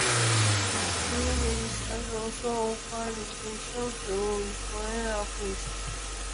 Many registrars also offer registration through reseller affiliates.